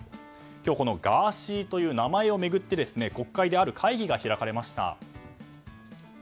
今日は、このガーシーという名前を巡って国会である会議が開かれました。